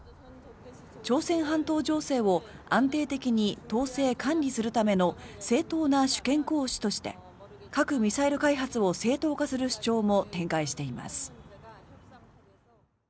朝鮮半島情勢を安定的に統制管理するための正当な主権行使として核・ミサイル開発を正当化する主張も展開しています。